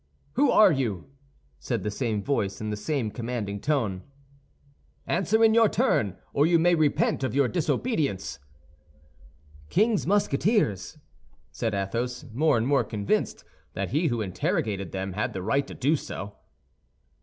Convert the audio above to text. "Who are you?" said the same voice, in the same commanding tone. "Answer in your turn, or you may repent of your disobedience." "King's Musketeers," said Athos, more and more convinced that he who interrogated them had the right to do so.